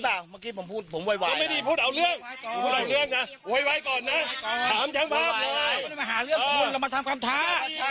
ถ้ามาหาเรื่องคนเรามาทำคำท้า